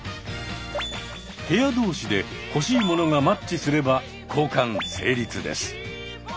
部屋同士で欲しい物がマッチすれば交換成立です。